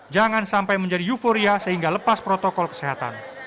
jangan sampai menjadi euforia sehingga lepas protokol kesehatan